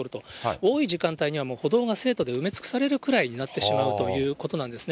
多い時間帯にはもう歩道が生徒で埋め尽くされるくらいになってしまうということなんですね。